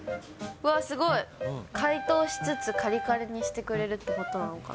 うわっ、すごい、解凍しつつ、かりかりにしてくれるってことなのかな？